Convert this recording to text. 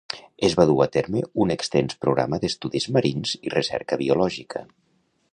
Es va dur a terme un extens programa d'estudis marins i recerca biològica.